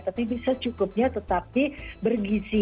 tapi bisa secukupnya tetapi bergisi